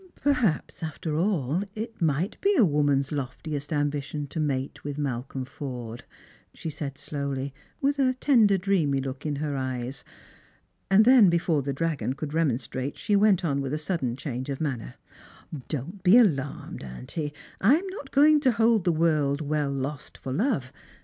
" Perhaps, after all, it might be a woman's loftiest ambition to mate with Malcolm Forde," she said slowly, with a tender dreamy look in her eyes ; and then, before the dragon could remonstrate, she went on with a sudden change of manner, " Don't be alarmed, auntie ; I am not going to hold the world well lost for love.